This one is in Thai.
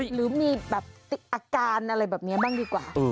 หรือมีอาการอะไรแบบนี้บ้างดีกว่า